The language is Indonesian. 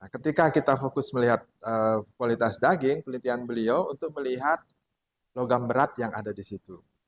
ketika kita fokus melihat kualitas daging penelitian beliau untuk melihat logam berat yang ada di situ